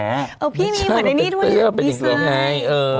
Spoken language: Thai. เอ้อพี่มีเหมือนในนี้ด้วยดีใส่